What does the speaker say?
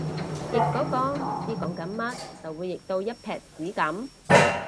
譯嗰個唔知講緊乜就會譯到一坺屎噉